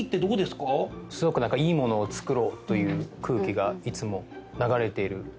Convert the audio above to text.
すごくいいものを作ろうという空気がいつも流れてる感じはしてますね。